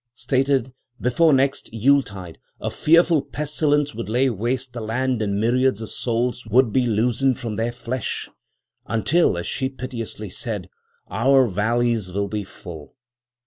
Stated, before next Yule tide a fearful pestilence would lay waste the land and myriads of souls would be loosened from their flesh, until, as she piteously said, 'our valleys will be full.'